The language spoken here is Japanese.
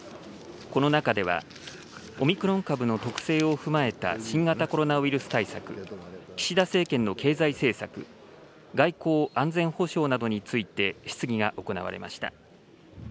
この中では、オミクロン株の特性を踏まえた新型コロナウイルス対策、岸田政権の経済政策、外交・安全保障などについて質疑が行われました。